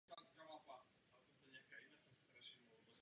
Posun v systému konstrukce a změna konceptu přišla ve středověku.